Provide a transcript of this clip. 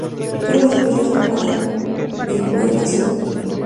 Todas las piezas son para vihuela sola.